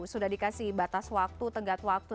sudah dikasih batas waktu tenggat waktu